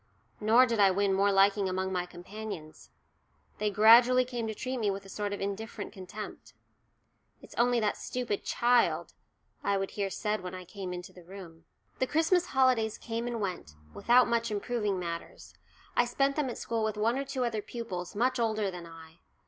Nor did I win more liking among my companions. They gradually came to treat me with a sort of indifferent contempt. "It's only that stupid child," I would hear said when I came into the room. The Christmas holidays came and went, without much improving matters. I spent them at school with one or two other pupils, much older than I.